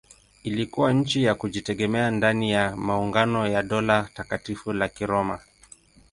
Ilikuwa nchi ya kujitegemea ndani ya maungano ya Dola Takatifu la Kiroma.